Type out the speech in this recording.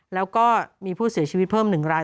แล้วก็มีผู้เสียชีวิตเพิ่ม๑ราย